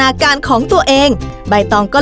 พี่ดาขายดอกบัวมาตั้งแต่อายุ๑๐กว่าขวบ